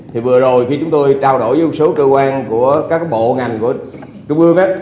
thì vừa rồi khi chúng tôi trao đổi với một số cơ quan của các bộ ngành của trung ương